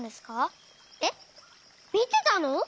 えっみてたの？